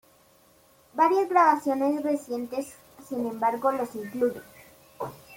Varias grabaciones recientes, sin embargo, los incluyen.